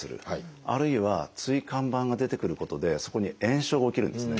あるいは椎間板が出てくることでそこに炎症が起きるんですね。